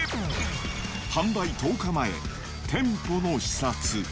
販売１０日前、店舗の視察。